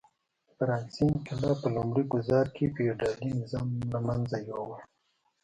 د فرانسې انقلاب په لومړي ګوزار کې فیوډالي نظام له منځه یووړ.